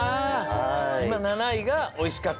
いま７いが「おいしかった！